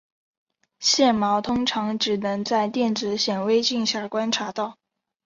线毛通常只能在电子显微镜下观察到。